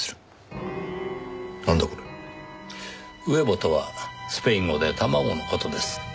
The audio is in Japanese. ウエボとはスペイン語で卵の事です。